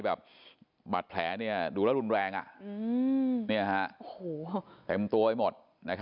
บัดแผลดูแล้วรุนแรงแต่มตัวไว้หมด